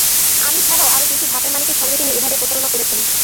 আমি ছাড়াও আরও দুটি ভাটার মালিকের সঙ্গে তিনি এভাবে প্রতারণা করেছেন।